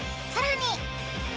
さらに